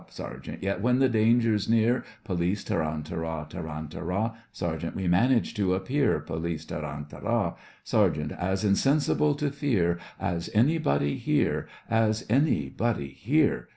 SERGEANT: Yet, when the danger's near, POLICE: Tarantara! tarantara! SERGEANT: We manage to appear POLICE: Tarantara! SERGEANT: As insensible to fear As anybody here, As anybody here.